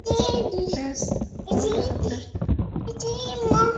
ব্যস আমার হতাশার আর্তনাদ।